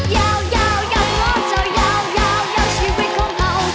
ยาวยาวยาวหลอกตอบยาวยาวชีวิตของเขา